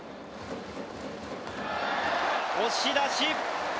押し出し。